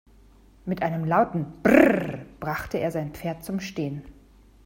Mit einem lauten "Brrr!" brachte er sein Pferd zum Stehen.